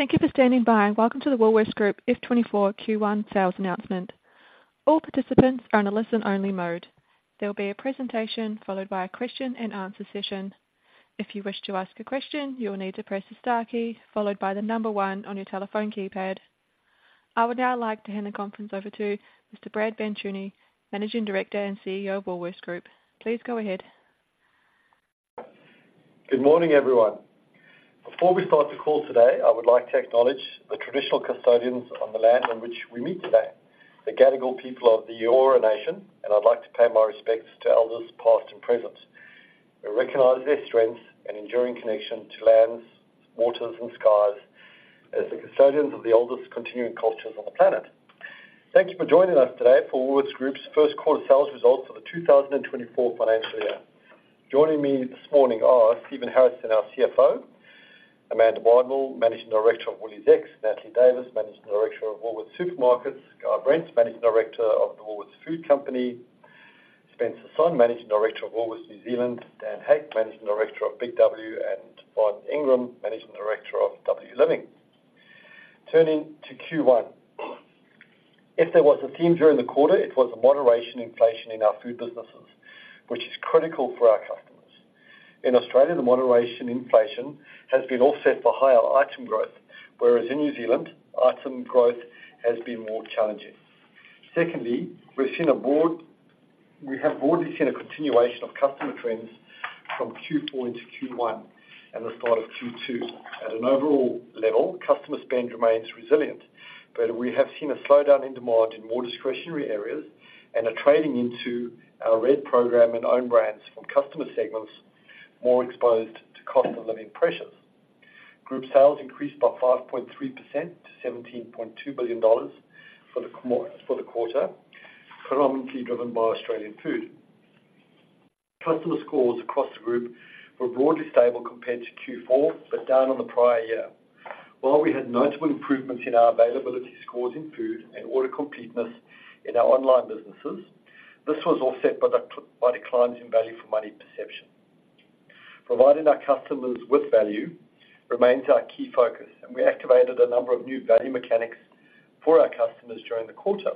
Thank you for standing by, and welcome to the Woolworths Group FY24 Q1 sales announcement. All participants are in a listen-only mode. There will be a presentation followed by a question-and-answer session. If you wish to ask a question, you will need to press the star key followed by the number one on your telephone keypad. I would now like to hand the conference over to Mr. Brad Banducci, Managing Director and CEO of Woolworths Group. Please go ahead. Good morning, everyone. Before we start the call today, I would like to acknowledge the traditional custodians of the land on which we meet today, the Gadigal people of the Eora Nation, and I'd like to pay my respects to elders, past and present. We recognize their strengths and enduring connection to lands, waters, and skies as the custodians of the oldest continuing cultures on the planet. Thank you for joining us today for Woolworths Group's first quarter sales results for the 2024 financial year. Joining me this morning are Stephen Harrison, our CFO; Amanda Bardwell, Managing Director of WooliesX; Natalie Davis, Managing Director of Woolworths Supermarkets; Guy Brent, Managing Director of the Woolworths Food Company; Spencer Sonn, Managing Director of Woolworths New Zealand; Dan Hake, Managing Director of Big W; and Von Ingram, Managing Director of W Living. Turning to Q1, if there was a theme during the quarter, it was a moderation of inflation in our food businesses, which is critical for our customers. In Australia, the moderation of inflation has been offset by higher item growth, whereas in New Zealand, item growth has been more challenging. Secondly, we have broadly seen a continuation of customer trends from Q4 into Q1 and the start of Q2. At an overall level, customer spend remains resilient, but we have seen a slowdown in demand in more discretionary areas and a trading into our Red program and own brands from customer segments more exposed to cost of living pressures. Group sales increased by 5.3% to 17.2 billion dollars for the quarter, predominantly driven by Australian food. Customer scores across the group were broadly stable compared to Q4, but down on the prior year. While we had notable improvements in our availability scores in food and order completeness in our online businesses, this was offset by by declines in value for money perception. Providing our customers with value remains our key focus, and we activated a number of new value mechanics for our customers during the quarter.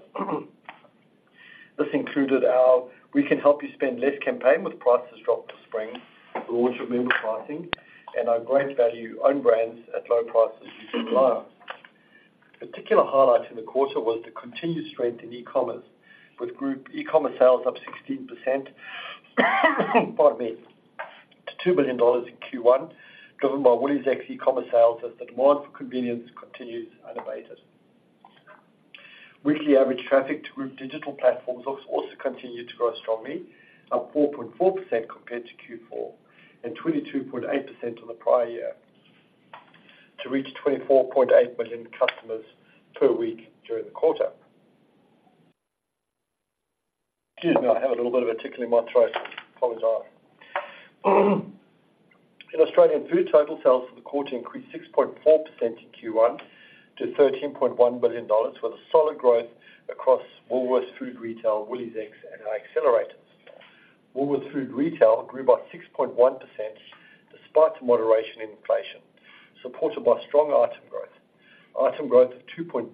This included our We Can Help You Spend Less campaign with Prices Dropped for Spring, the launch of Member Pricing, and our great value own brands at low prices you can rely on. Particular highlights in the quarter was the continued strength in e-commerce, with group e-commerce sales up 16%, pardon me, to 2 billion dollars in Q1, driven by WooliesX e-commerce sales as the demand for convenience continues unabated. Weekly average traffic to group digital platforms also continued to grow strongly, up 4.4% compared to Q4, and 22.8% on the prior year, to reach 24.8 million customers per week during the quarter. Excuse me, I have a little bit of a tickle in my throat. Apologize. In Australian Food total sales for the quarter increased 6.4% in Q1 to 13.1 billion dollars, with a solid growth across Woolworths Food Retail, WooliesX, and our accelerators. Woolworths Food Retail grew by 6.1%, despite moderation in inflation, supported by strong item growth. Item growth of 2.2%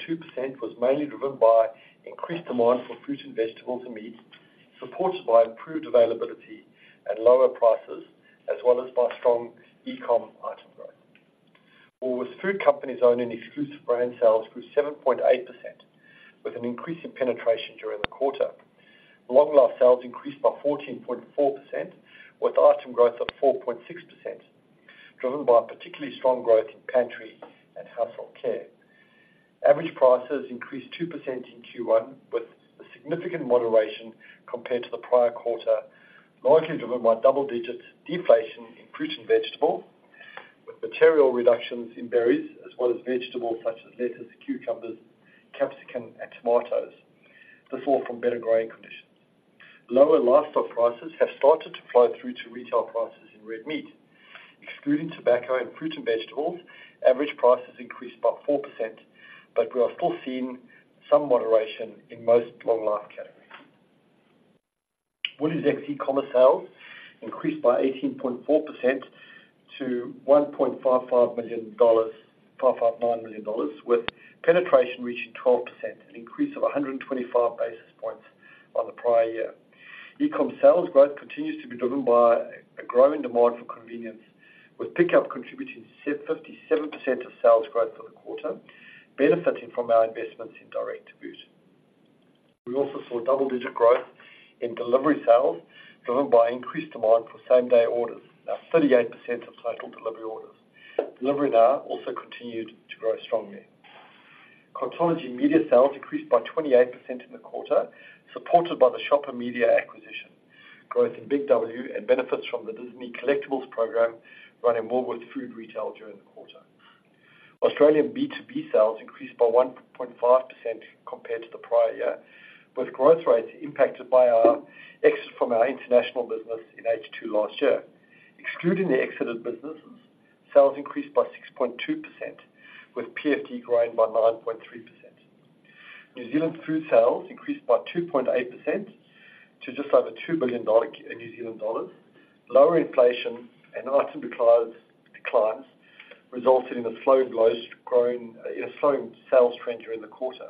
was mainly driven by increased demand for fruit and vegetables and meat, supported by improved availability and lower prices, as well as by strong e-com item growth. Woolworths Food Company's Own and Exclusive brand sales grew 7.8%, with an increase in penetration during the quarter. Long Life sales increased by 14.4%, with item growth of 4.6%, driven by particularly strong growth in pantry and household care. Average prices increased 2% in Q1, with a significant moderation compared to the prior quarter, largely driven by double-digit deflation in fruit and vegetable, with material reductions in berries, as well as vegetables such as lettuce, cucumbers, capsicum, and tomatoes. This all from better growing conditions. Lower livestock prices have started to flow through to retail prices in red meat. Excluding tobacco and fruit and vegetables, average prices increased by 4%, but we are still seeing some moderation in most Long Life categories. WooliesX e-commerce sales increased by 18.4% to 1.55 million dollars, 559 million dollars, with penetration reaching 12%, an increase of 125 basis points on the prior year. E-com sales growth continues to be driven by a growing demand for convenience, with pickup contributing 57% of sales growth for the quarter, benefiting from our investments in Direct to Boot. We also saw double-digit growth in delivery sales, driven by increased demand for same-day orders, now 38% of total delivery orders. Delivery Now also continued to grow strongly. Cartology media sales increased by 28% in the quarter, supported by the Shopper Media acquisition. Growth in Big W and benefits from the Disney Collectibles program run in Woolworths Food Retail during the quarter. Australian B2B sales increased by 1.5% compared to the prior year, with growth rates impacted by our exit from our international business in H2 last year. Excluding the exited businesses, sales increased by 6.2%, with PFD growing by 9.3%.... New Zealand food sales increased by 2.8% to just over NZ$2 billion. Lower inflation and item declines resulted in a slowing sales trend during the quarter.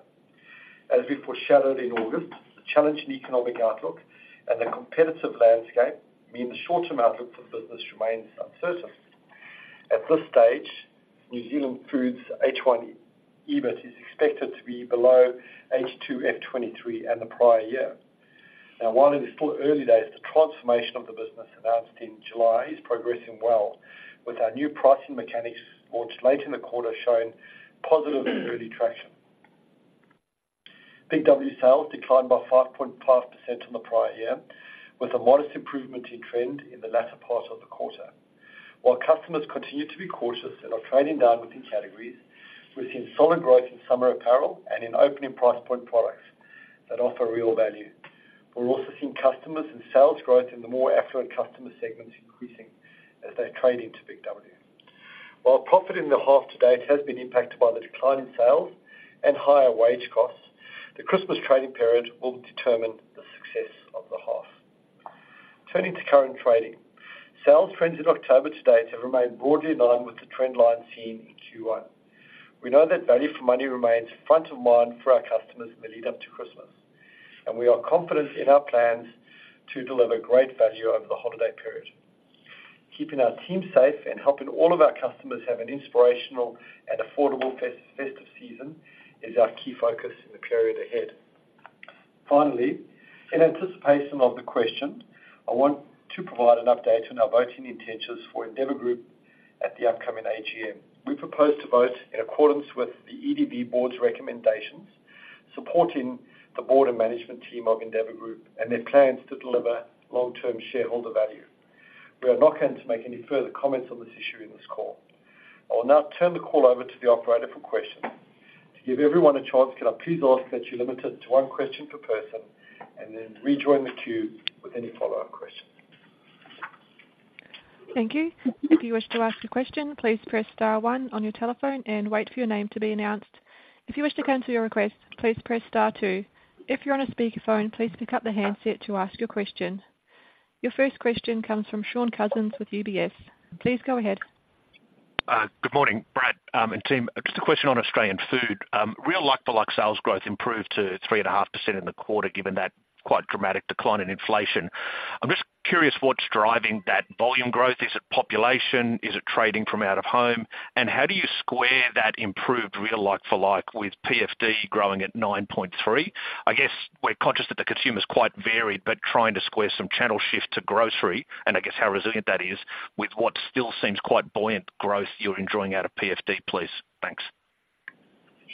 As we foreshadowed in August, the challenging economic outlook and the competitive landscape mean the short-term outlook for business remains uncertain. At this stage, New Zealand Food's H1 EBIT is expected to be below H2 FY23 and the prior year. Now, while it is still early days, the transformation of the business announced in July is progressing well, with our new pricing mechanics launched late in the quarter showing positive early traction. Big W sales declined by 5.5% on the prior year, with a modest improvement in trend in the latter part of the quarter. While customers continue to be cautious and are trading down within categories, we've seen solid growth in summer apparel and in opening price point products that offer real value. We're also seeing customers and sales growth in the more affluent customer segments increasing as they trade into Big W. While profit in the half to date has been impacted by the decline in sales and higher wage costs, the Christmas trading period will determine the success of the half. Turning to current trading. Sales trends in October to date have remained broadly in line with the trend line seen in Q1. We know that value for money remains front of mind for our customers in the lead up to Christmas, and we are confident in our plans to deliver great value over the holiday period. Keeping our team safe and helping all of our customers have an inspirational and affordable festive season is our key focus in the period ahead. Finally, in anticipation of the question, I want to provide an update on our voting intentions for Endeavour Group at the upcoming AGM. We propose to vote in accordance with the Endeavour board's recommendations, supporting the board and management team of Endeavour Group and their plans to deliver long-term shareholder value. We are not going to make any further comments on this issue in this call. I will now turn the call over to the operator for questions. To give everyone a chance, can I please ask that you limit it to one question per person and then rejoin the queue with any follow-up questions? Thank you. If you wish to ask a question, please press star one on your telephone and wait for your name to be announced. If you wish to cancel your request, please press star two. If you're on a speakerphone, please pick up the handset to ask your question. Your first question comes from Shaun Cousins with UBS. Please go ahead. Good morning, Brad, and team. Just a question on Australian Food. Real like-for-like sales growth improved to 3.5% in the quarter, given that quite dramatic decline in inflation. I'm just curious what's driving that volume growth. Is it population? Is it trading from out of home? And how do you square that improved real like-for-like with PFD growing at 9.3? I guess we're conscious that the consumer is quite varied, but trying to square some channel shift to grocery, and I guess how resilient that is, with what still seems quite buoyant growth you're enjoying out of PFD, please. Thanks.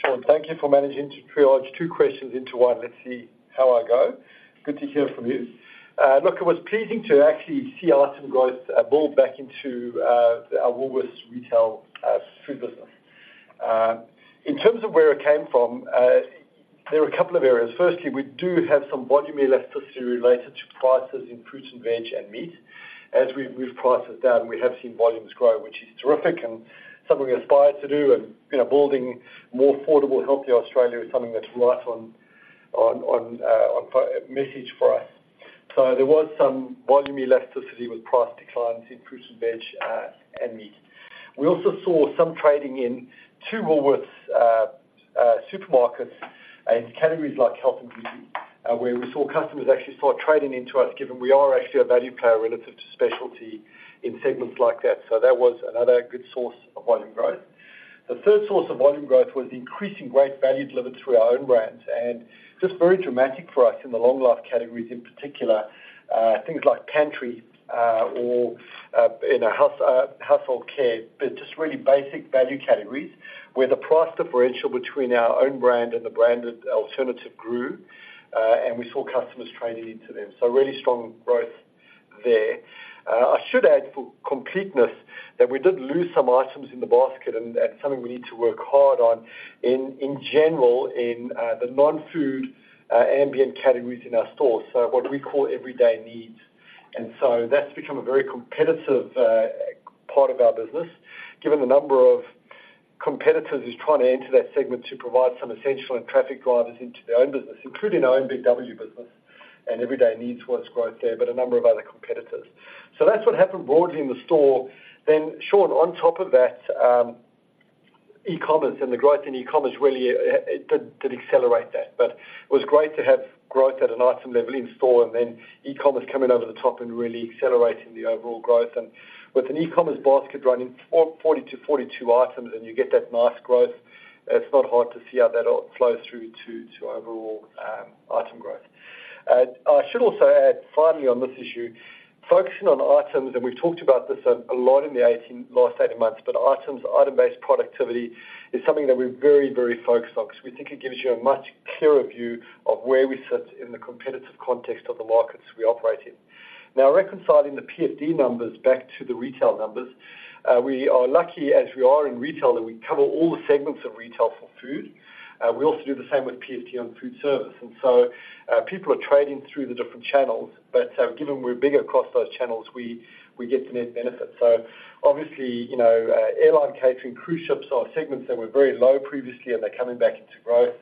Shaun, thank you for managing to triage two questions into one. Let's see how I go. Good to hear from you. Look, it was pleasing to actually see item growth build back into our Woolworths Retail food business. In terms of where it came from, there are a couple of areas. Firstly, we do have some volume elasticity related to prices in fruits and veg and meat. As we've priced it down, we have seen volumes grow, which is terrific and something we aspire to do. And, you know, building more affordable, healthier Australia is something that's right on message for us. So there was some volume elasticity with price declines in fruits and veg and meat. We also saw some trading in to Woolworths supermarkets in categories like health and beauty, where we saw customers actually start trading into us, given we are actually a value player relative to specialty in segments like that. So that was another good source of volume growth. The third source of volume growth was the increasing great value delivered through our own brands, and just very dramatic for us in the long life categories in particular, things like pantry, or, you know, household care, but just really basic value categories, where the price differential between our own brand and the branded alternative grew, and we saw customers trading into them. So really strong growth there. I should add for completeness, that we did lose some items in the basket, and that's something we need to work hard on in general in the non-food ambient categories in our stores, so what we call everyday needs. And so that's become a very competitive part of our business, given the number of competitors who's trying to enter that segment to provide some essential and traffic drivers into their own business, including our own Big W business and everyday needs, what's growth there, but a number of other competitors. So that's what happened broadly in the store. Then Shaun, on top of that, e-commerce and the growth in e-commerce really it did accelerate that, but it was great to have growth at an item level in store and then e-commerce coming over the top and really accelerating the overall growth. With an e-commerce basket running 40-42 items and you get that nice growth, it's not hard to see how that all flows through to overall item growth. I should also add, finally, on this issue, focusing on items, and we've talked about this a lot in the last 18 months, but items, item-based productivity is something that we're very, very focused on, because we think it gives you a much clearer view of where we sit in the competitive context of the markets we operate in. Now, reconciling the PFD numbers back to the retail numbers, we are lucky, as we are in retail, that we cover all the segments of retail for food. We also do the same with PFD on food service. So, people are trading through the different channels, but given we're bigger across those channels, we get the net benefit. So obviously, you know, airline catering, cruise ships are segments that were very low previously, and they're coming back into growth.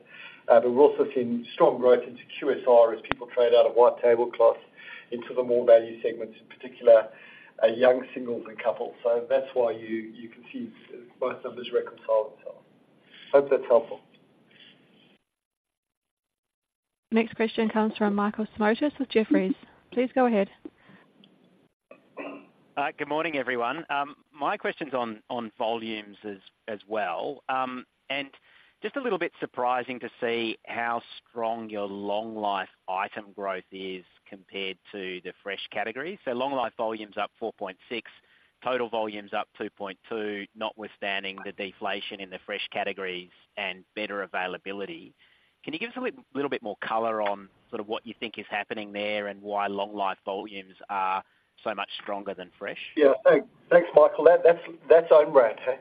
But we're also seeing strong growth into QSR as people trade out of white tablecloth into the more value segments, in particular, young singles and couples. So that's why you can see both numbers reconcile themselves. Hope that's helpful. Next question comes from Michael Simotas with Jefferies. Please go ahead. Good morning, everyone. My question's on volumes as well. And just a little bit surprising to see how strong your long life item growth is compared to the fresh category. So long life volume's up 4.6, total volume's up 2.2, notwithstanding the deflation in the fresh categories and better availability. Can you give us a little bit more color on sort of what you think is happening there, and why long life volumes are so much stronger than fresh? Yeah. Thanks, Michael. That's own brand, eh.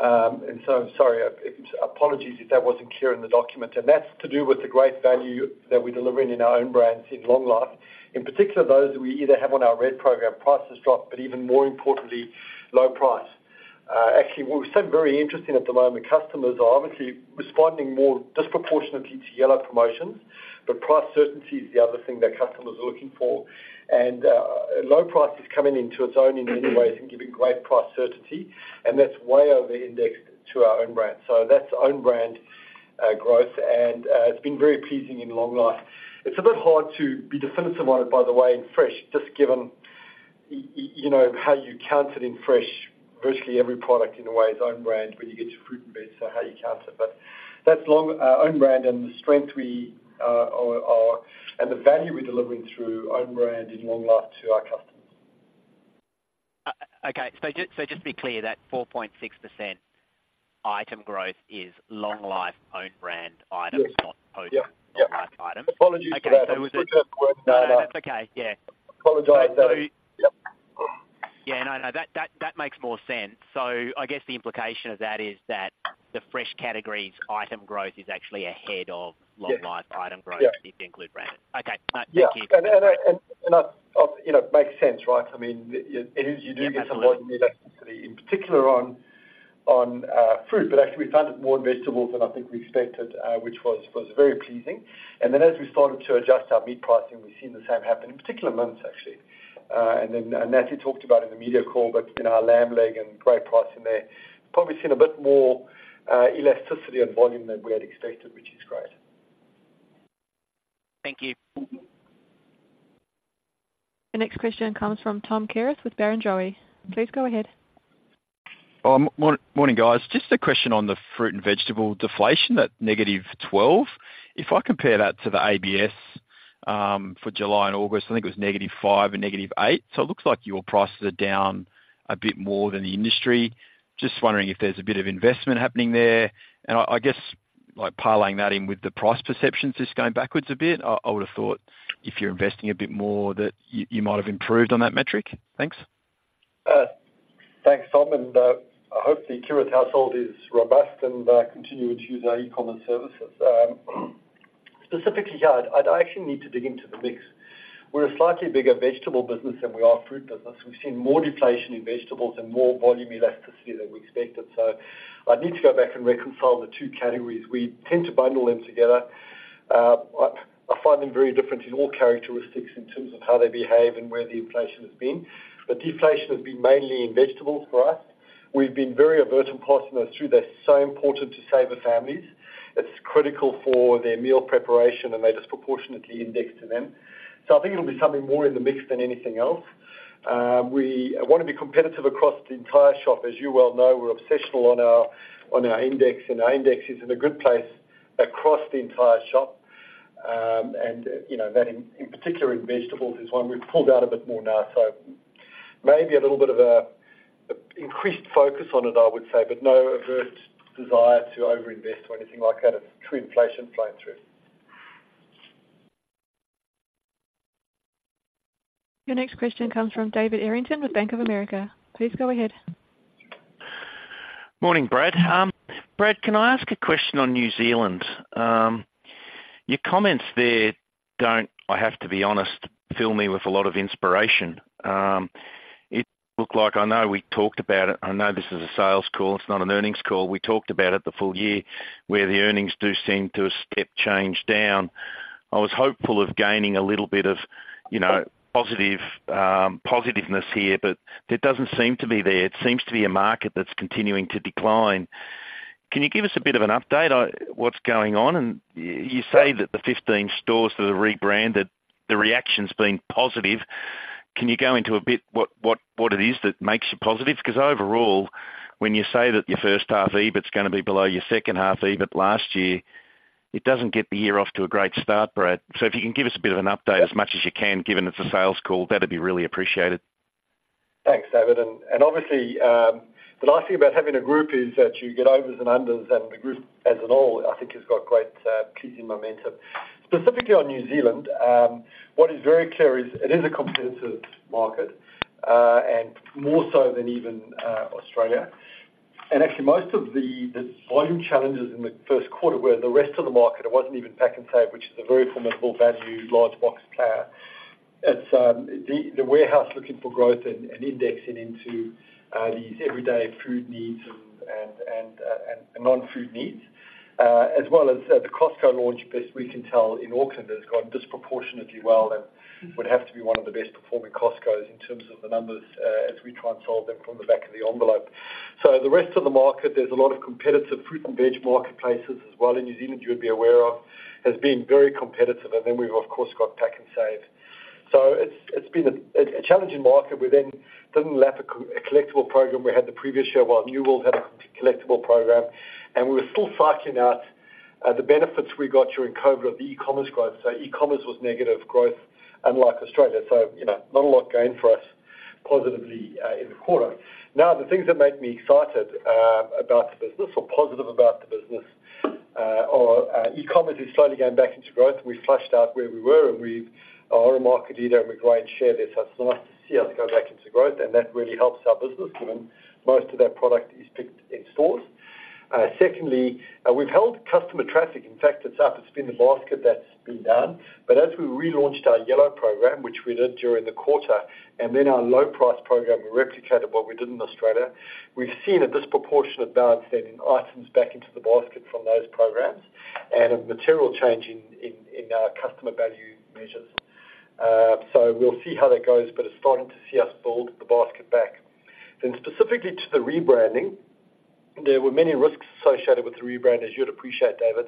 And so sorry, apologies if that wasn't clear in the document, and that's to do with the great value that we're delivering in our own brands in long life. In particular, those we either have on our Red program, prices dropped, but even more importantly, Low Price. Actually, what was so very interesting at the moment, customers are obviously responding more disproportionately to yellow promotions, but price certainty is the other thing that customers are looking for. And, Low Price is coming into its own in many ways and giving great price certainty, and that's way over indexed to our own brand. So that's own brand growth, and it's been very pleasing in long life. It's a bit hard to be definitive on it, by the way, in fresh, just given you know, how you count it in fresh. Virtually every product, in a way, is own brand when you get to fruit and veg, so how you count it. But that's long... own brand and the strength we are and the value we're delivering through own brand in long life to our customers. Okay, so just, so just to be clear, that 4.6% item growth is Long Life Own Brand items- Yes. not own Long Life items. Apologies for that. Okay, so was it- We've got word, No, that's okay. Yeah. Apologize. So- Yep. Yeah, no, that makes more sense. So I guess the implication of that is that the fresh categories item growth is actually ahead of- Yes. -Long Life item growth- Yeah. If you include brand. Okay, thank you. Yeah. I... You know, it makes sense, right? I mean, it is, you do get some- Absolutely. Volume elasticity, in particular on fruit, but actually we found it more in vegetables than I think we expected, which was very pleasing. And then as we started to adjust our meat pricing, we've seen the same happen, in particular months, actually. And then Natalie talked about in the media call, but you know, our lamb leg and great pricing there. Probably seen a bit more elasticity and volume than we had expected, which is great. Thank you. The next question comes from Thomas Kierath with Barrenjoey. Please go ahead. Morning, guys. Just a question on the fruit and vegetable deflation, that -12. If I compare that to the ABS, for July and August, I think it was -5 and -8. So it looks like your prices are down a bit more than the industry. Just wondering if there's a bit of investment happening there? And I guess, like, piling that in with the price perceptions, just going backwards a bit, I would have thought if you're investing a bit more, that you might have improved on that metric. Thanks. Thanks, Tom, and I hope the Kierath household is robust and continue to use our e-commerce services. Specifically, yeah, I'd actually need to dig into the mix. We're a slightly bigger vegetable business than we are a fruit business. We've seen more deflation in vegetables and more volume elasticity than we expected, so I'd need to go back and reconcile the two categories. We tend to bundle them together. I find them very different in all characteristics in terms of how they behave and where the inflation has been. But deflation has been mainly in vegetables for us. We've been very overt in pricing those two. They're so important to saver families. It's critical for their meal preparation, and they disproportionately index to them. So I think it'll be something more in the mix than anything else. We want to be competitive across the entire shop. As you well know, we're obsessional on our index, and our index is in a good place across the entire shop. And, you know, that, in particular in vegetables, is one we've pulled out a bit more now. So maybe a little bit of an increased focus on it, I would say, but no overt desire to overinvest or anything like that. It's true inflation playing through. Your next question comes from David Errington with Bank of America. Please go ahead. Morning, Brad. Brad, can I ask a question on New Zealand? Your comments there don't, I have to be honest, fill me with a lot of inspiration. It looked like I know we talked about it. I know this is a sales call, it's not an earnings call. We talked about it, the full year, where the earnings do seem to have step changed down. I was hopeful of gaining a little bit of, you know, positive positiveness here, but it doesn't seem to be there. It seems to be a market that's continuing to decline. Can you give us a bit of an update on what's going on? And you say that the 15 stores that are rebranded, the reaction's been positive. Can you go into a bit what it is that makes you positive? Because overall, when you say that your first half EBIT is gonna be below your second half EBIT last year, it doesn't get the year off to a great start, Brad. So if you can give us a bit of an update, as much as you can, given it's a sales call, that'd be really appreciated. Thanks, David, and obviously, the nice thing about having a group is that you get overs and unders, and the group, as a whole, I think has got great pleasing momentum. Specifically on New Zealand, what is very clear is it is a competitive market, and more so than even Australia. And actually most of the volume challenges in the first quarter were the rest of the market. It wasn't even PAK'nSAVE, which is a very formidable value, large box player. It's the Warehouse looking for growth and indexing into the everyday food needs and-... Non-food needs, as well as the Costco launch, best we can tell in Auckland, has gone disproportionately well and would have to be one of the best performing Costcos in terms of the numbers, as we try and solve them from the back of the envelope. So the rest of the market, there's a lot of competitive fruit and veg marketplaces as well in New Zealand, you'd be aware of, has been very competitive, and then we've of course got PAK'nSAVE. So it's been a challenging market. We then didn't lap a collectible program we had the previous year, while New World had a collectible program, and we're still cycling out the benefits we got during COVID of the e-commerce growth. So e-commerce was negative growth, unlike Australia. So, you know, not a lot going for us positively in the quarter. Now, the things that make me excited about the business or positive about the business are e-commerce is slowly going back into growth. We flushed out where we were, and we are a market leader, and we grow and share this. So it's nice to see us go back into growth, and that really helps our business, given most of that product is picked in stores. Secondly, we've held customer traffic. In fact, it's up. It's been the basket that's been down. But as we relaunched our Yellow program, which we did during the quarter, and then our Low Price program, we replicated what we did in Australia. We've seen a disproportionate bounce then in items back into the basket from those programs and a material change in our customer value measures. So we'll see how that goes, but it's starting to see us build the basket back. Then specifically to the rebranding, there were many risks associated with the rebrand, as you'd appreciate, David.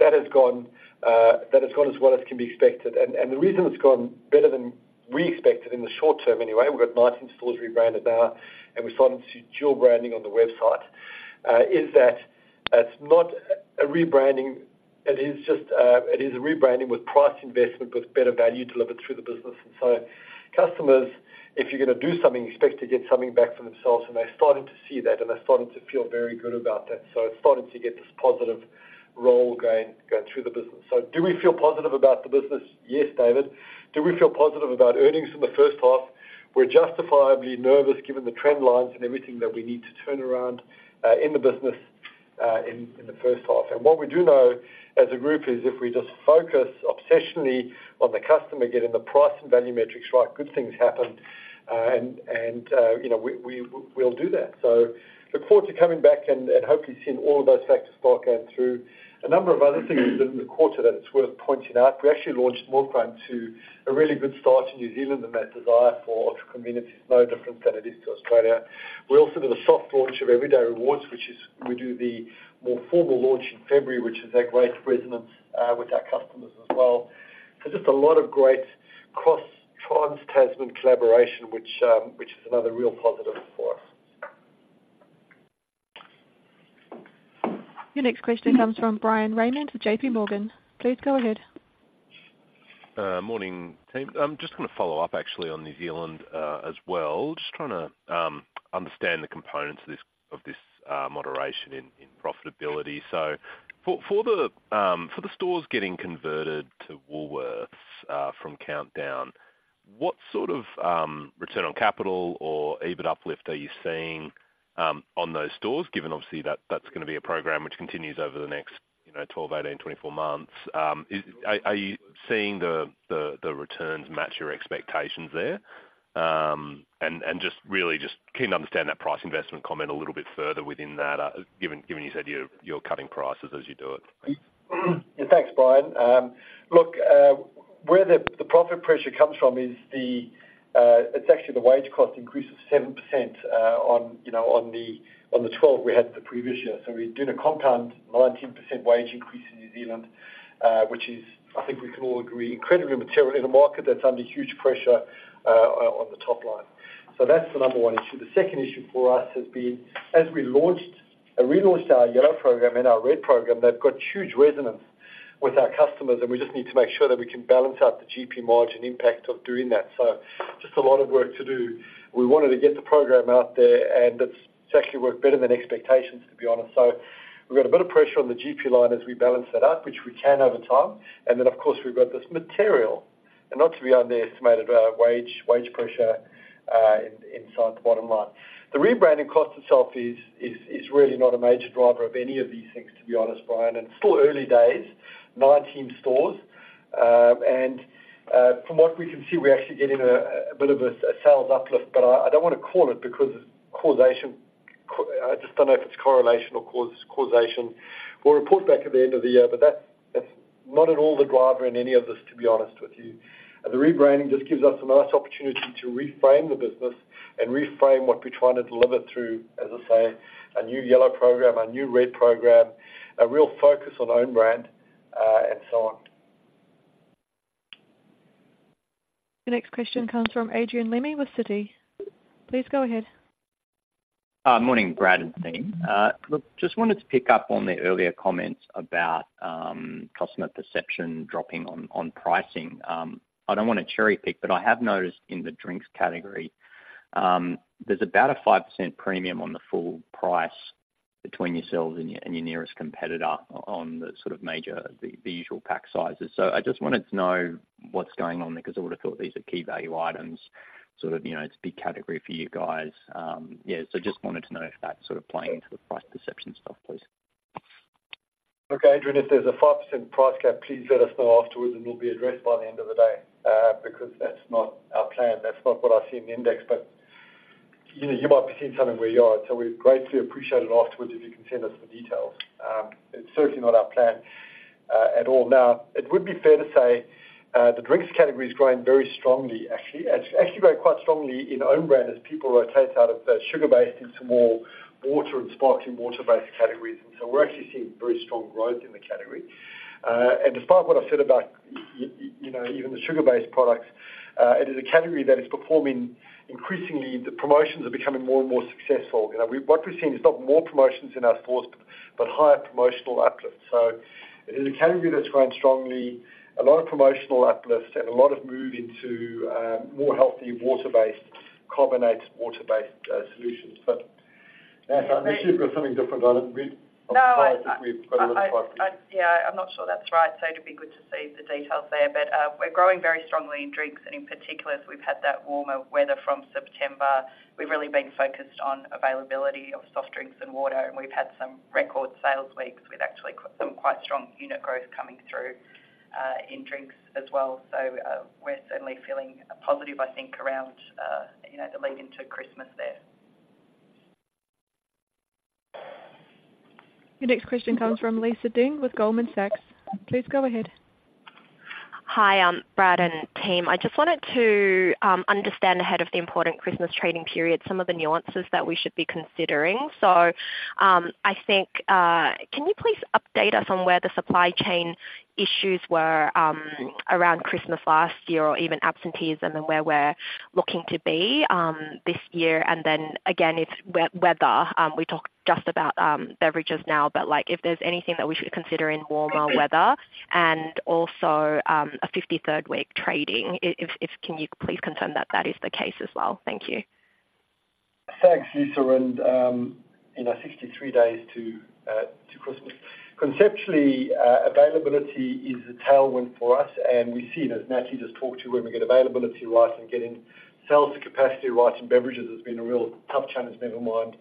That has gone as well as can be expected. The reason it's gone better than we expected, in the short term anyway, we've got 19 stores rebranded now, and we're starting to see dual branding on the website, is that it's not a rebranding. It is just a rebranding with price investment, with better value delivered through the business. And so customers, if you're gonna do something, expect to get something back from themselves, and they're starting to see that, and they're starting to feel very good about that. So it's starting to get this positive roll going, going through the business. So do we feel positive about the business? Yes, David. Do we feel positive about earnings in the first half? We're justifiably nervous, given the trend lines and everything that we need to turn around, in the business, in the first half. And what we do know as a group is if we just focus obsessionally on the customer, getting the price and value metrics right, good things happen. And, you know, we'll do that. So look forward to coming back and, and hopefully seeing all of those factors start going through. A number of other things in the quarter that it's worth pointing out. We actually launched Milkrun to a really good start in New Zealand, and that desire for ultra convenience is no different than it is to Australia. We also did a soft launch of Everyday Rewards, which is we do the more formal launch in February, which has had great resonance with our customers as well. So just a lot of great cross-trans-Tasman collaboration, which is another real positive for us. Your next question comes from Bryan Raymond with JPMorgan. Please go ahead. Morning, team. I'm just gonna follow up actually on New Zealand as well. Just trying to understand the components of this moderation in profitability. So for the stores getting converted to Woolworths from Countdown, what sort of return on capital or EBIT uplift are you seeing on those stores, given obviously that that's gonna be a program which continues over the next, you know, 12, 18, 24 months? Are you seeing the returns match your expectations there? And just really just keen to understand that price investment comment a little bit further within that, given you said you're cutting prices as you do it. Yeah. Thanks, Bryan. Look, where the profit pressure comes from is it's actually the wage cost increase of 7%, you know, on the 12 we had the previous year. So we're doing a compound 19% wage increase in New Zealand, which is, I think we can all agree, incredibly material in a market that's under huge pressure on the top line. So that's the number one issue. The second issue for us has been, as we launched and relaunched our Yellow program and our Red program, they've got huge resonance with our customers, and we just need to make sure that we can balance out the GP margin impact of doing that. So just a lot of work to do. We wanted to get the program out there, and it's actually worked better than expectations, to be honest. So we've got a bit of pressure on the GP line as we balance that out, which we can over time. And then, of course, we've got this material, and not to be underestimated, wage pressure inside the bottom line. The rebranding cost itself is really not a major driver of any of these things, to be honest, Bryan, and it's still early days, 19 stores. And from what we can see, we're actually getting a bit of a sales uplift, but I don't want to call it because causation. I just don't know if it's correlation or causation. We'll report back at the end of the year, but that's, that's not at all the driver in any of this, to be honest with you. And the rebranding just gives us a nice opportunity to reframe the business and reframe what we're trying to deliver through, as I say, a new Yellow program, a new Red program, a real focus on own brand, and so on. The next question comes from Adrian Lemme with Citi. Please go ahead. Morning, Brad and team. Look, just wanted to pick up on the earlier comments about customer perception dropping on pricing. I don't want to cherry-pick, but I have noticed in the drinks category, there's about a 5% premium on the full price between yourselves and your nearest competitor on the sort of major, the usual pack sizes. So I just wanted to know what's going on there, because I would've thought these are key value items, sort of, you know, it's a big category for you guys. Yeah, so just wanted to know if that's sort of playing into the price perception stuff, please. Okay, Adrian, if there's a 5% price cap, please let us know afterwards, and it'll be addressed by the end of the day, because that's not our plan. That's not what I see in the index, but, you know, you might be seeing something where you are. So we'd greatly appreciate it afterwards if you can send us the details. It's certainly not our plan, at all. Now, it would be fair to say, the drinks category is growing very strongly, actually. It's actually growing quite strongly in own brand as people rotate out of the sugar-based into more water and sparkling water-based categories. And so we're actually seeing very strong growth in the category. And despite what I said about you know, even the sugar-based products, it is a category that is performing increasingly, the promotions are becoming more and more successful. You know, what we're seeing is not more promotions in our stores, but higher promotional uplifts. So it is a category that's growing strongly, a lot of promotional uplifts and a lot of move into, more healthy, water-based, carbonated water-based, solutions. But, Natalie, unless you've got something different on it, we- No, I We've got it all tied. Yeah, I'm not sure that's right, so it'd be good to see the details there. But, we're growing very strongly in drinks, and in particular, we've had that warmer weather from September. We've really been focused on availability of soft drinks and water, and we've had some record sales weeks. We've actually some quite strong unit growth coming through, in drinks as well. So, we're certainly feeling positive, I think, around, you know, the lead into Christmas there. Your next question comes from Lisa Deng with Goldman Sachs. Please go ahead. Hi, Brad and team. I just wanted to understand ahead of the important Christmas trading period, some of the nuances that we should be considering. So, I think, can you please update us on where the supply chain issues were around Christmas last year, or even absentees, and then where we're looking to be this year? And then again, it's weather. We talked just about beverages now, but, like, if there's anything that we should consider in warmer weather and also, a fifty-third week trading, if, if... Can you please confirm that that is the case as well? Thank you. Thanks, Lisa, and, you know, 63 days to Christmas. Conceptually, availability is a tailwind for us, and we've seen, as Natalie just talked to, when we get availability right and getting sales to capacity right, and beverages has been a real tough challenge, never mind,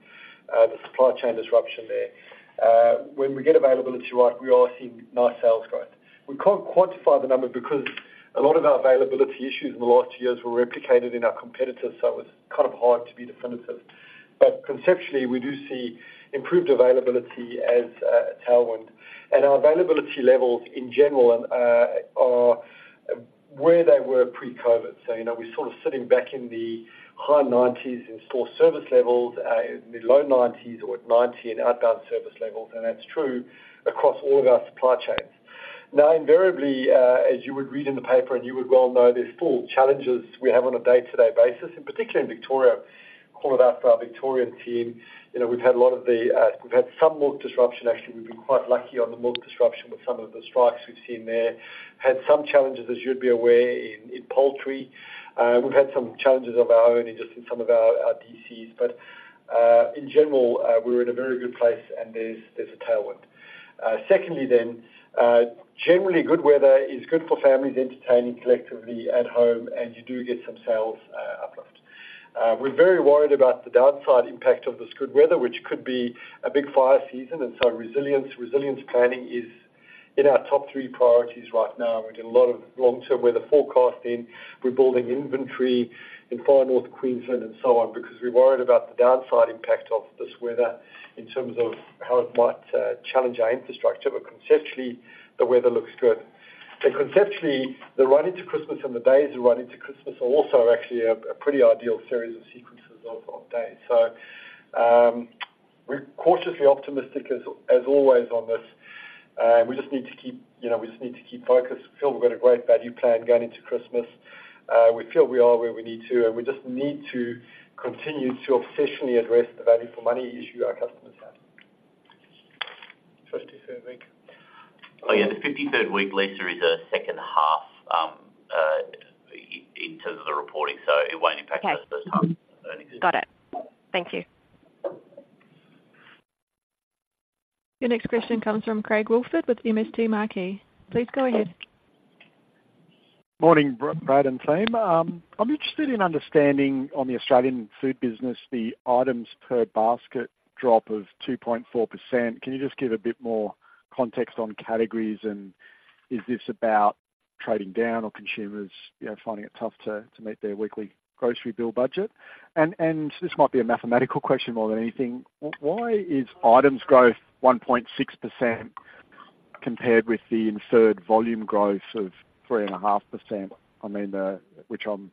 the supply chain disruption there. When we get availability right, we are seeing nice sales growth. We can't quantify the number because a lot of our availability issues in the last two years were replicated in our competitors, so it's kind of hard to be definitive. But conceptually, we do see improved availability as a tailwind. And our availability levels, in general, are where they were pre-COVID. So, you know, we're sort of sitting back in the high 90s in store service levels, in the low 90s or at 90 in outbound service levels, and that's true across all of our supply chains. Now, invariably, as you would read in the paper, and you would well know, there's 4 challenges we have on a day-to-day basis, and particularly in Victoria. Call it out to our Victorian team, you know, we've had a lot of the... We've had some milk disruption, actually, we've been quite lucky on the milk disruption with some of the strikes we've seen there. Had some challenges, as you'd be aware, in poultry. We've had some challenges of our own in just some of our DCs, but, in general, we're in a very good place, and there's a tailwind. Secondly then, generally, good weather is good for families entertaining collectively at home, and you do get some sales uplift. We're very worried about the downside impact of this good weather, which could be a big fire season, and so resilience, resilience planning is in our top three priorities right now. We're doing a lot of long-term weather forecasting. We're building inventory in Far North Queensland and so on, because we're worried about the downside impact of this weather in terms of how it might challenge our infrastructure, but conceptually, the weather looks good. And conceptually, the run into Christmas and the days that run into Christmas are also actually a pretty ideal series of sequences of days. So, we're cautiously optimistic as always on this, and we just need to keep... You know, we just need to keep focused. Feel we've got a great value plan going into Christmas. We feel we are where we need to, and we just need to continue to obsessively address the value for money issue our customers have. 53rd week. Oh, yeah, the 53rd week, Lisa, is a second half in terms of the reporting, so it won't impact us this time. Okay. Got it. Thank you. Your next question comes from Craig Woolford with MST Marquee. Please go ahead. Morning, Brad and team. I'm interested in understanding, on the Australian food business, the items per basket drop of 2.4%. Can you just give a bit more context on categories, and is this about trading down or consumers, you know, finding it tough to meet their weekly grocery bill budget? And this might be a mathematical question more than anything. Why is items growth 1.6% compared with the inferred volume growth of 3.5%? I mean, which I'm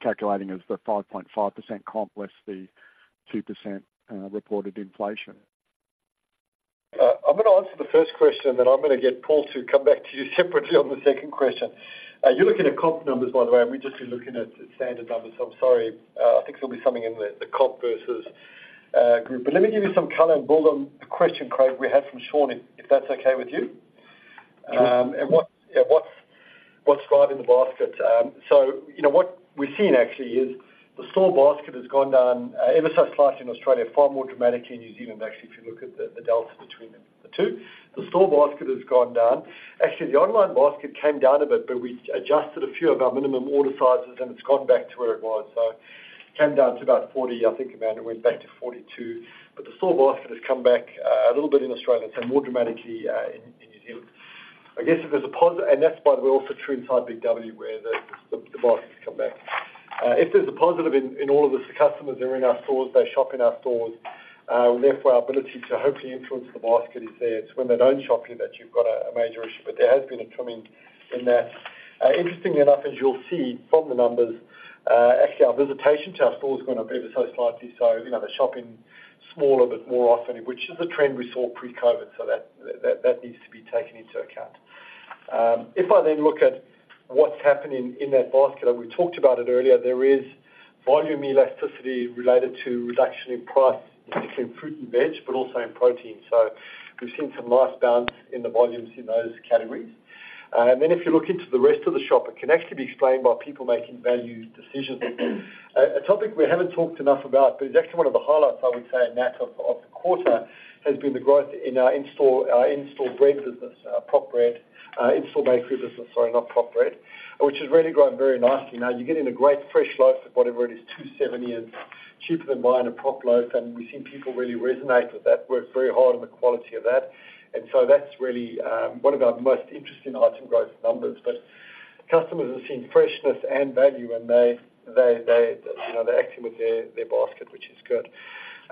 calculating as the 5.5% comp less the 2% reported inflation. I'm gonna answer the first question, and then I'm gonna get Paul to come back to you separately on the second question. You're looking at comp numbers, by the way, and we've just been looking at standard numbers, so I'm sorry. I think there'll be something in the, the comp versus group. But let me give you some color and build on the question, Craig, we had from Sean, if, if that's okay with you. And what, yeah, what's right in the basket? So you know, what we've seen actually is the store basket has gone down ever so slightly in Australia, far more dramatically in New Zealand, actually, if you look at the delta between the two. The store basket has gone down. Actually, the online basket came down a bit, but we adjusted a few of our minimum order sizes, and it's gone back to where it was. Came down to about 40, I think, Amanda, it went back to 42. But the store basket has come back a little bit in Australia and more dramatically in New Zealand. I guess if there's a, and that's by the way, also true inside Big W, where the basket has come back. If there's a positive in all of this, the customers are in our stores, they shop in our stores, therefore, our ability to hopefully influence the basket is there. It's when they don't shop here that you've got a major issue, but there has been a trimming in that. Interestingly enough, as you'll see from the numbers, actually, our visitation to our store has gone up ever so slightly, so, you know, they're shopping smaller, but more often, which is a trend we saw pre-COVID, so that needs to be taken into account. If I then look at what's happening in that basket, and we talked about it earlier, there is volume elasticity related to reduction in price, particularly in fruit and veg, but also in protein. So we've seen some nice bounce in the volumes in those categories. And then if you look into the rest of the shop, it can actually be explained by people making value decisions. A topic we haven't talked enough about, but it's actually one of the highlights, I would say, in that of the quarter, has been the growth in our in-store, in-store bread business, prop bread, in-store bakery business, sorry, not prop bread, which has really grown very nicely. Now, you're getting a great fresh loaf at whatever it is, 2.70, and cheaper than buying a prop loaf, and we've seen people really resonate with that. Worked very hard on the quality of that, and so that's really, one of our most interesting item growth numbers. But customers are seeing freshness and value, and they, you know, they're acting with their basket, which is good.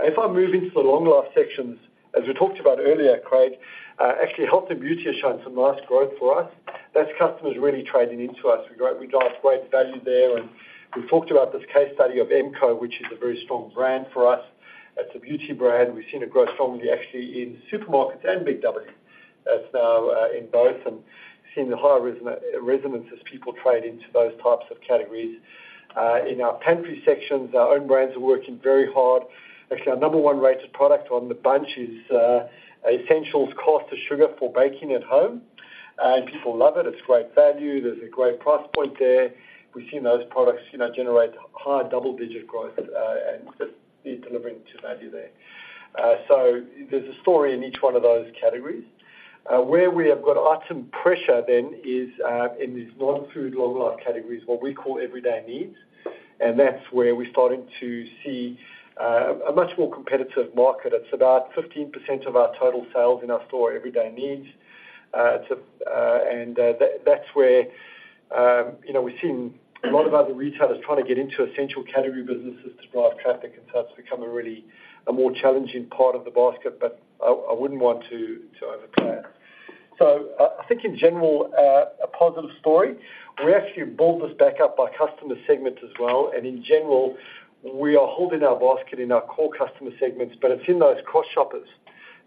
If I move into the long life sections, as we talked about earlier, Craig, actually, health and beauty has shown some nice growth for us. That's customers really trading into us. We drive great value there, and we've talked about this case study of MCo, which is a very strong brand for us. It's a beauty brand. We've seen it grow strongly, actually, in supermarkets and Big W. That's now in both, and seeing the higher resonance as people trade into those types of categories. In our pantry sections, our own brands are working very hard. Actually, our number one rated product on the Bunch is Essentials Caster Sugar for baking at home, and people love it. It's great value. There's a great price point there. We've seen those products, you know, generate high double-digit growth, and just delivering to value there. So there's a story in each one of those categories. Where we have got item pressure then is in these non-food, long-life categories, what we call everyday needs, and that's where we're starting to see a much more competitive market. It's about 15% of our total sales in our store, everyday needs. It's a, and, that- that's where, you know, we've seen a lot of other retailers trying to get into essential category businesses to drive traffic, and so it's become a really, a more challenging part of the basket, but I, I wouldn't want to, to overplay it. So I, I think in general, a positive story. We actually built this back up by customer segments as well, and in general, we are holding our basket in our core customer segments, but it's in those cross shoppers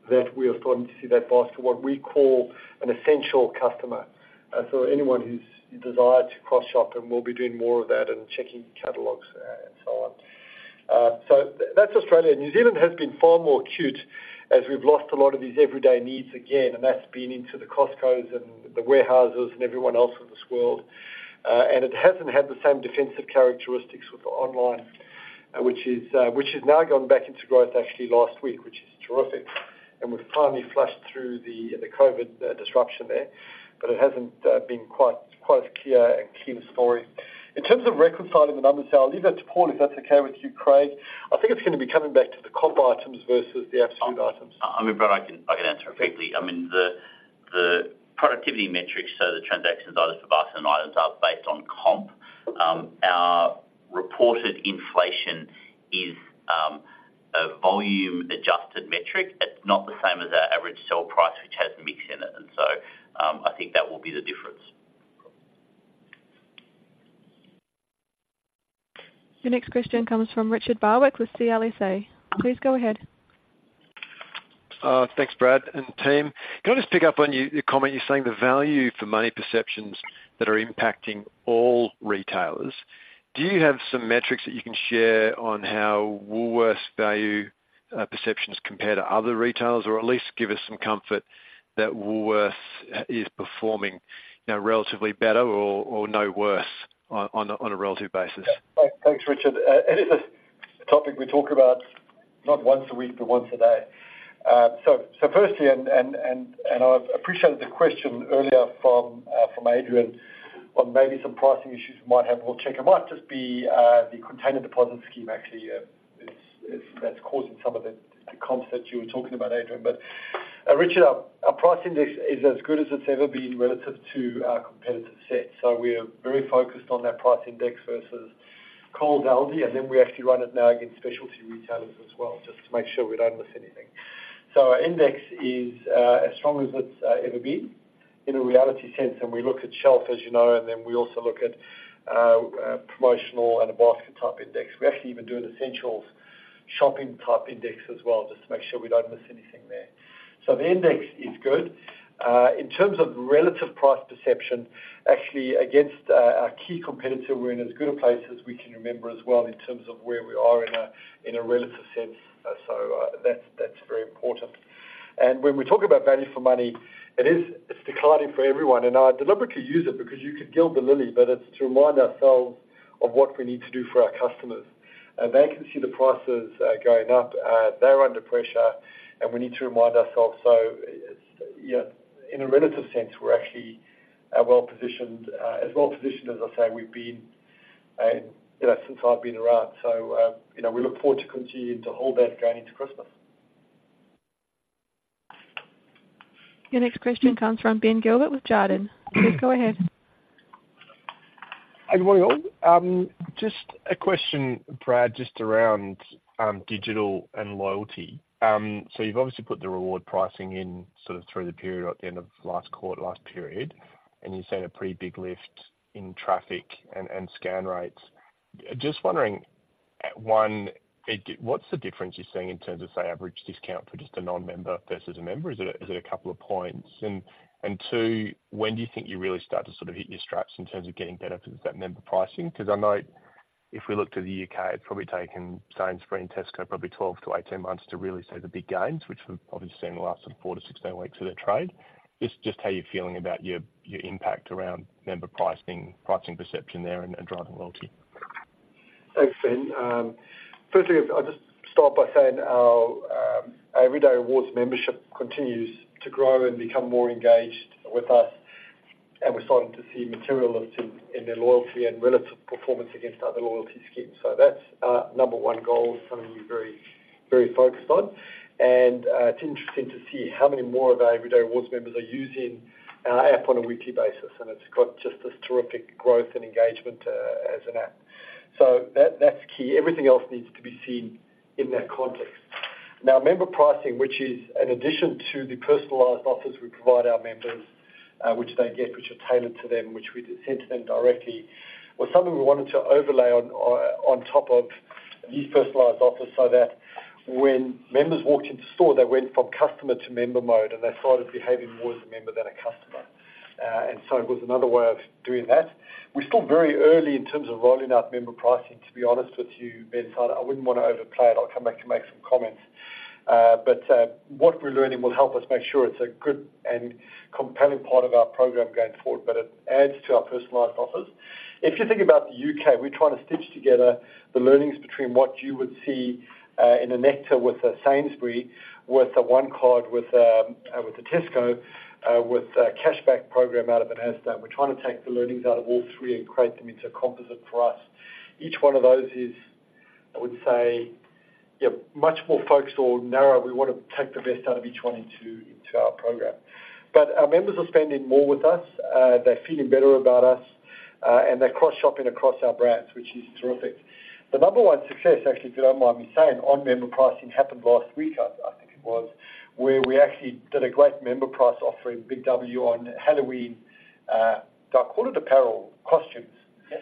that we are starting to see that basket, what we call an essential customer. So anyone who's desired to cross shop and will be doing more of that and checking catalogs, and so on. So that's Australia. New Zealand has been far more acute as we've lost a lot of these everyday needs again, and that's been into the Costcos and the Warehouses and everyone else in this world. And it hasn't had the same defensive characteristics with the online, which is, which has now gone back into growth actually last week, which is terrific. We've finally flushed through the COVID disruption there, but it hasn't been quite as clear story. In terms of reconciling the numbers, I'll leave that to Paul, if that's okay with you, Craig. I think it's gonna be coming back to the comp items versus the absolute items. I mean, Brad, I can answer it quickly. I mean, the productivity metrics, so the transactions, either for basket and items are based on comp. Our reported inflation is a volume-adjusted metric. It's not the same as our average sell price, which has mix in it, and so, I think that will be the difference. Your next question comes from Richard Barwick with CLSA. Please go ahead. Thanks, Brad and team. Can I just pick up on your comment? You're saying the value for money perceptions that are impacting all retailers. Do you have some metrics that you can share on how Woolworths' value perceptions compare to other retailers, or at least give us some comfort that Woolworths is performing, you know, relatively better or no worse on a relative basis? Yeah. Thanks, Richard. It is a topic we talk about not once a week, but once a day. So firstly, and I've appreciated the question earlier from Adrian on maybe some pricing issues we might have. We'll check. It might just be the Container Deposit Scheme, actually, is... That's causing some of the comps that you were talking about, Adrian. But, Richard, our, our price index is as good as it's ever been relative to our competitive set. So we are very focused on that price index versus Coles, Aldi, and then we actually run it now against specialty retailers as well, just to make sure we don't miss anything. So our index is, as strong as it's, ever been in a reality sense, and we look at shelf, as you know, and then we also look at, promotional and a basket-type index. We actually even do an essentials shopping-type index as well, just to make sure we don't miss anything there. So the index is good. In terms of relative price perception, actually against our, our key competitor, we're in as good a place as we can remember as well in terms of where we are in a, in a relative sense. So, that's, that's very important. And when we talk about value for money, it is, it's declining for everyone, and I deliberately use it because you could gild the lily, but it's to remind ourselves of what we need to do for our customers. And they can see the prices going up, they're under pressure, and we need to remind ourselves. Yeah, in a relative sense, we're actually well positioned, as well positioned as I say, we've been, you know, since I've been around. So, you know, we look forward to continuing to hold that going into Christmas. Your next question comes from Ben Gilbert with Jarden. Please go ahead. Good morning, all. Just a question, Brad, just around digital and loyalty. So you've obviously put the reward pricing in sort of through the period at the end of last quarter, last period, and you've seen a pretty big lift in traffic and scan rates. Just wondering, at one, what's the difference you're seeing in terms of, say, average discount for just a non-member versus a member? Is it a couple of points? And two, when do you think you really start to sort of hit your straps in terms of getting benefits with that Member Pricing? Because I know if we look to the UK, it's probably taken Sainsbury and Tesco probably 12-18 months to really see the big gains, which we've obviously seen in the last 4-16 weeks of their trade. Just how you're feeling about your impact around Member Pricing, pricing perception there and driving loyalty. Thanks, Ben. Firstly, I'll just start by saying our Everyday Rewards membership continues to grow and become more engaged with us, and we're starting to see material lifts in their loyalty and relative performance against other loyalty schemes. So that's our number one goal, something we're very, very focused on. It's interesting to see how many more of our Everyday Rewards members are using our app on a weekly basis, and it's got just this terrific growth and engagement as an app. So that's key. Everything else needs to be seen in that context. Now, Member Pricing, which is an addition to the personalized offers we provide our members, which they get, which are tailored to them, which we send to them directly, was something we wanted to overlay on top of these personalized offers so that when members walked into store, they went from customer to member mode, and they started behaving more as a member than a customer. So it was another way of doing that. We're still very early in terms of rolling out Member Pricing, to be honest with you, Ben, so I wouldn't want to overplay it. I'll come back and make some comments. But what we're learning will help us make sure it's a good and compelling part of our program going forward, but it adds to our personalized offers. If you think about the UK, we're trying to stitch together the learnings between what you would see in a Nectar with a Sainsbury's, with a One Card with a Tesco, with a cashback program out of an Asda. We're trying to take the learnings out of all three and create them into a composite for us. Each one of those is, I would say, yeah, much more focused or narrow. We want to take the best out of each one into our program. But our members are spending more with us, they're feeling better about us, and they're cross-shopping across our brands, which is terrific. The number one success, actually, if you don't mind me saying, on Member Pricing happened last week, I think it was, where we actually did a great member price offering, Big W, on Halloween. Do I call it apparel? Costumes. Yes.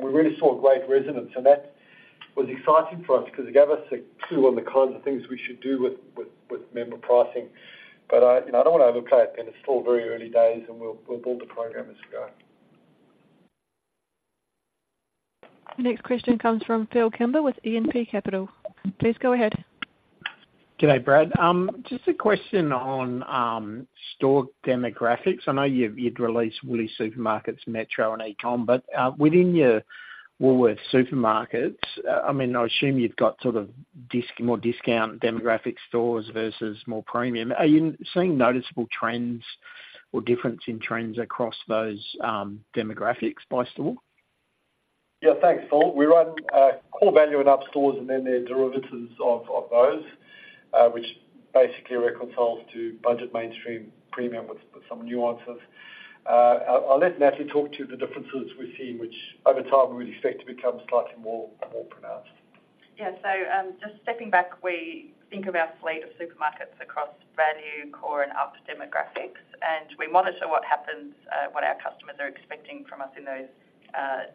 We really saw a great resonance, and that was exciting for us because it gave us a clue on the kinds of things we should do with Member Pricing. But I, you know, I don't want to overplay it, Ben. It's still very early days, and we'll build the program as we go. The next question comes from Phillip Kimber with E&P Capital. Please go ahead. G'day, Brad. Just a question on store demographics. I know you've, you'd released Woolies Supermarkets, Metro, and eCom, but within your Woolworths Supermarkets, I mean, I assume you've got sort of more discount demographic stores versus more premium. Are you seeing noticeable trends or difference in trends across those demographics by store? Yeah, thanks, Phil. We run core value and up stores, and then they're derivatives of those, which basically reconciles to budget mainstream premium with some nuances. I'll let Natalie talk to the differences we've seen, which over time we would expect to become slightly more pronounced. Yeah. So, just stepping back, we think of our fleet of supermarkets across value, core, and up demographics, and we monitor what happens, what our customers are expecting from us in those,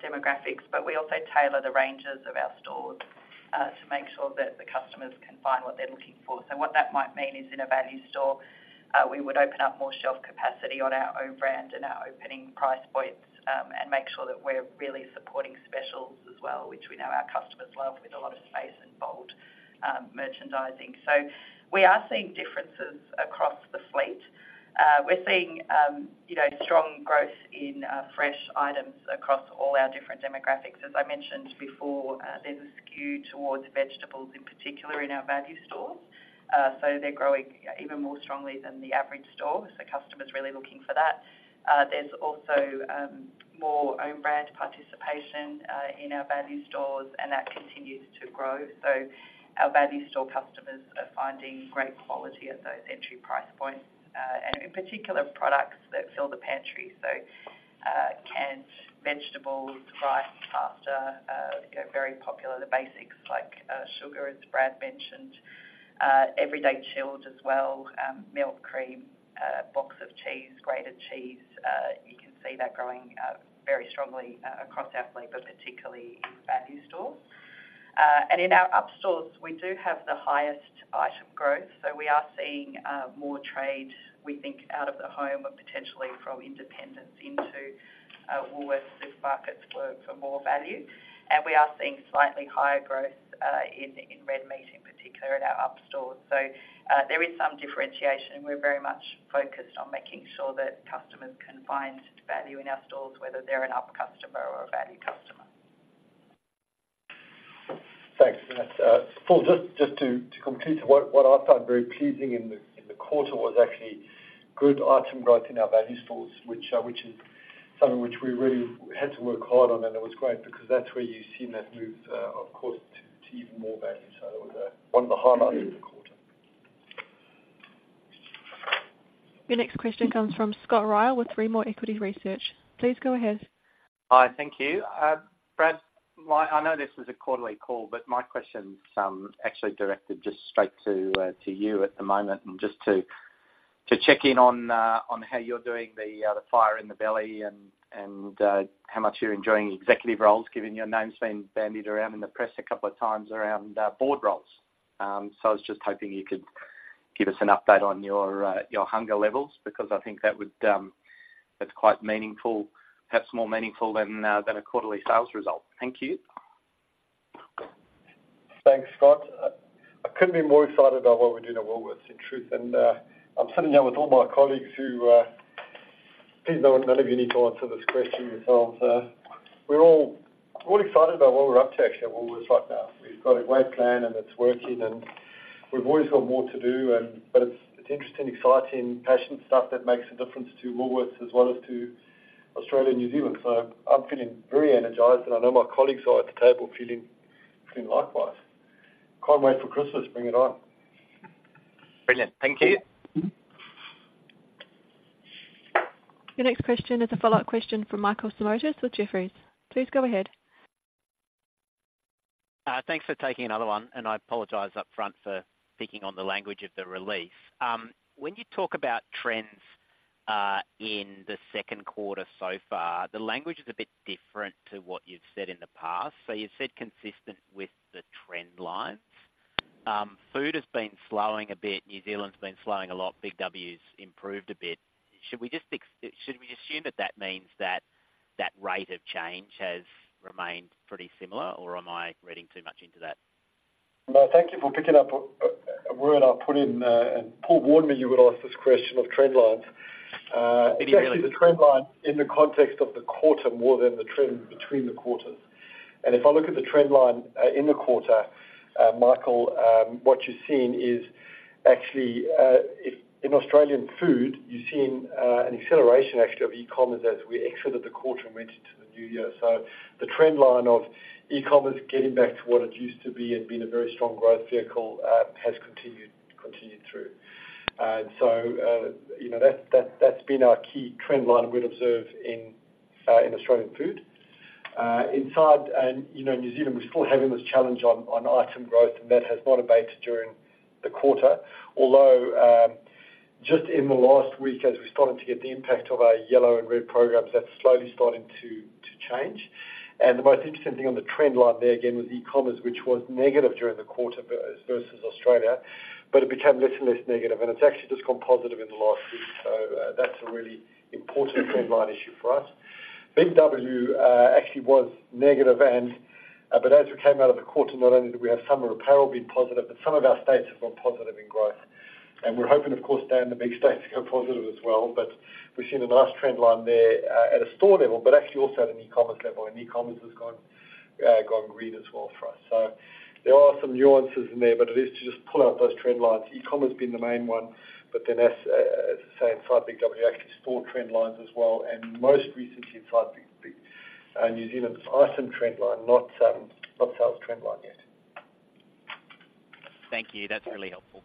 demographics. But we also tailor the ranges of our stores, to make sure that the customers can find what they're looking for. So what that might mean is in a value store, we would open up more shelf capacity on our own brand and our opening price points, and make sure that we're really supporting specials as well, which we know our customers love, with a lot of space and bold, merchandising. So we are seeing differences across the fleet. We're seeing, you know, strong growth in, fresh items across all our different demographics. As I mentioned before, there's a skew towards vegetables, in particular in our value stores. So they're growing even more strongly than the average store, so customers are really looking for that. There's also more Own Brand participation in our value stores, and that continues to grow. So our value store customers are finding great quality at those entry price points, and in particular, products that fill the pantry. So canned vegetables, rice, pasta, you know, very popular, the basics like sugar, as Brad mentioned. Everyday chilled as well, milk, cream, blocks of cheese, grated cheese. You can see that growing very strongly across our fleet, but particularly in value stores. And in our up stores, we do have the highest item growth, so we are seeing more trade, we think, out of the home or potentially from independents into Woolworths Supermarkets for more value. And we are seeing slightly higher growth in red meat, in particular, in our up stores. So there is some differentiation. We're very much focused on making sure that customers can find value in our stores, whether they're an up customer or a value customer. Thanks, yes, Paul, just to complete what I found very pleasing in the quarter was actually good item growth in our value stores, which is something which we really had to work hard on, and it was great because that's where you've seen that move, of course, to even more value. So that was one of the highlights of the quarter. Your next question comes from Scott Ryall with Rimor Equity Research. Please go ahead. Hi, thank you. Brad, I know this is a quarterly call, but my question's actually directed just straight to you at the moment, and just to check in on how you're doing the fire in the belly and how much you're enjoying executive roles, given your name's been bandied around in the press a couple of times around board roles. So I was just hoping you could give us an update on your hunger levels, because I think that would, that's quite meaningful, perhaps more meaningful than a quarterly sales result. Thank you. Thanks, Scott. I couldn't be more excited about what we're doing at Woolworths, in truth, and I'm sitting here with all my colleagues who please, no, none of you need to answer this question yourself. We're all excited about what we're up to, actually, at Woolworths right now. We've got a great plan, and it's working, and we've always got more to do and... but it's interesting, exciting, passionate stuff that makes a difference to Woolworths as well as to Australia and New Zealand. So I'm feeling very energized, and I know my colleagues are at the table feeling likewise. Can't wait for Christmas. Bring it on. Brilliant. Thank you. Your next question is a follow-up question from Michael Simotas with Jefferies. Please go ahead. Thanks for taking another one, and I apologize upfront for picking on the language of the release. When you talk about trends in the second quarter so far, the language is a bit different to what you've said in the past. So you've said consistent with the trend lines. Food has been slowing a bit. New Zealand's been slowing a lot. Big W's improved a bit. Should we assume that that means that rate of change has remained pretty similar, or am I reading too much into that? Well, thank you for picking up a word I put in, and Paul warned me you would ask this question of trend lines. Any day. The trend line in the context of the quarter more than the trend between the quarters. If I look at the trend line in the quarter, Michael, what you're seeing is actually, if in Australian food, you're seeing an acceleration actually of e-commerce as we exited the quarter and went into the new year. So the trend line of e-commerce getting back to what it used to be and being a very strong growth vehicle has continued, continued through. And so, you know, that's, that's, that's been our key trend line we'd observe in in Australian food. Inside and, you know, New Zealand, we're still having this challenge on on item growth, and that has not abated during the quarter. Although just in the last week, as we started to get the impact of our yellow and Red programs, that's slowly starting to change. And the most interesting thing on the trend line there, again, was e-commerce, which was negative during the quarter versus Australia, but it became less and less negative, and it's actually just gone positive in the last week. So that's a really important trend line issue for us. Big W actually was negative and but as we came out of the quarter, not only do we have summer apparel being positive, but some of our states have gone positive in growth. And we're hoping, of course, down the big states to go positive as well. But we've seen a nice trend line there at a store level, but actually also at an e-commerce level, and e-commerce has gone green as well for us. So there are some nuances in there, but it is to just pull out those trend lines. E-commerce being the main one, but then as I say, inside Big W, actually store trend lines as well, and most recently inside Big W, New Zealand's item trend line, not sales trend line yet. Thank you. That's really helpful.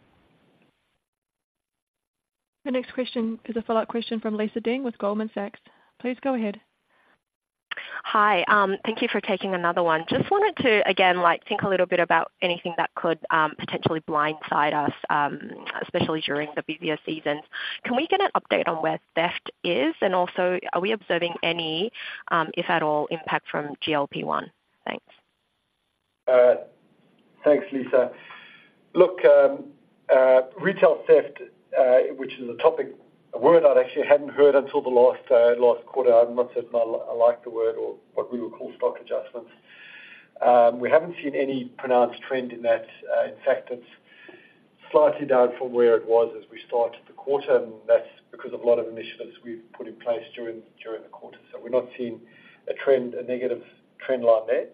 The next question is a follow-up question from Lisa Deng with Goldman Sachs. Please go ahead. Hi, thank you for taking another one. Just wanted to, again, like, think a little bit about anything that could potentially blindside us, especially during the busier seasons. Can we get an update on where theft is? And also, are we observing any, if at all, impact from GLP-1? Thanks. Thanks, Lisa. Look, retail theft, which is a topic, a word I'd actually hadn't heard until the last quarter. I'm not saying I like the word or what we would call stock adjustments. We haven't seen any pronounced trend in that. In fact, it's slightly down from where it was as we started the quarter, and that's because of a lot of initiatives we've put in place during the quarter. So we're not seeing a trend, a negative trend line there.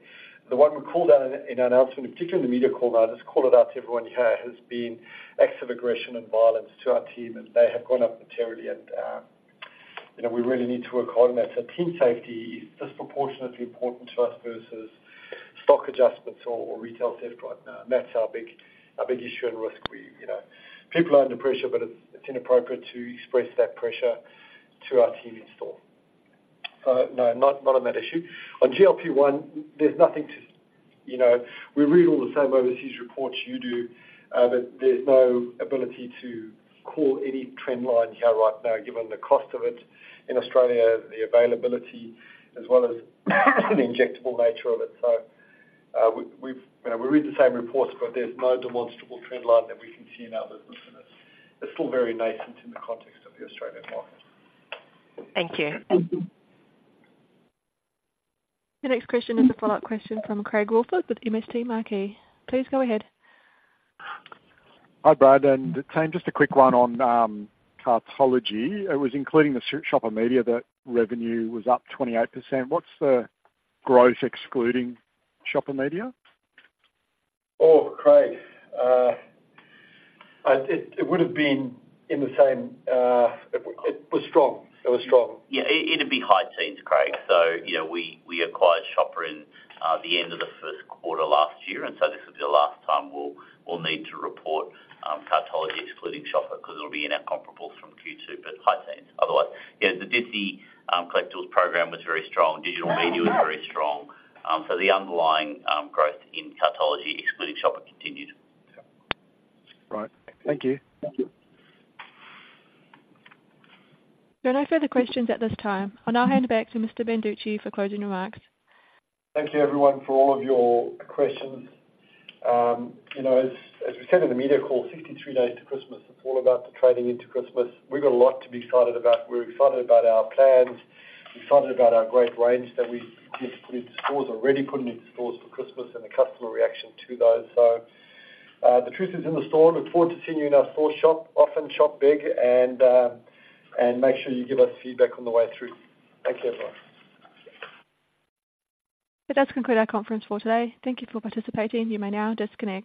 The one we called out in our announcement, particularly in the media call, now just call it out to everyone here, has been acts of aggression and violence to our team, and they have gone up materially. You know, we really need to work hard on that. So team safety is disproportionately important to us versus stock adjustments or retail theft right now. That's our big issue and risk. We, you know, people are under pressure, but it's inappropriate to express that pressure to our team in store. No, not on that issue. On GLP-1, there's nothing to... You know, we read all the same overseas reports you do, but there's no ability to call any trend line here right now, given the cost of it in Australia, the availability, as well as the injectable nature of it. So, we've— You know, we read the same reports, but there's no demonstrable trend line that we can see in our business, and it's still very nascent in the context of the Australian market. Thank you. The next question is a follow-up question from Craig Woolford with MST Marquee. Please go ahead. Hi, Brad and the team. Just a quick one on Cartology. It was including the Shopper Media, that revenue was up 28%. What's the growth excluding Shopper Media? Oh, Craig, it would have been in the same... It was strong. It was strong. Yeah, it'd be high teens, Craig. So, you know, we acquired Shopper in the end of the first quarter last year, and so this will be the last time we'll need to report Cartology excluding Shopper, because it'll be in our comparables from Q2, but high teens. Otherwise, yeah, the Disney Collectibles program was very strong. Digital media was very strong. So the underlying growth in Cartology, excluding Shopper, continued. Right. Thank you. Thank you. There are no further questions at this time. I'll now hand it back to Mr. Banducci for closing remarks. Thank you, everyone, for all of your questions. You know, as we said in the media call, 63 days to Christmas, it's all about the trading into Christmas. We've got a lot to be excited about. We're excited about our plans. We're excited about our great range that we get to put into stores, already putting into stores for Christmas, and the customer reaction to those. So, the truth is in the store. Look forward to seeing you in our store shop. Often shop big and make sure you give us feedback on the way through. Thank you, everyone. That does conclude our conference for today. Thank you for participating. You may now disconnect.